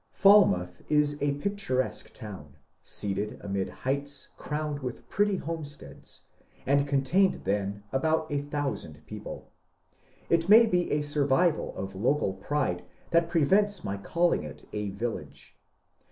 •Falmouth is a picturesque town, seated amid heights crowned with pretty homesteads, and contained then about a thousand people. It may be a survival of local pride that prevents my calling it a village.